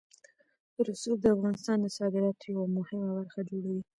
رسوب د افغانستان د صادراتو یوه مهمه برخه جوړوي.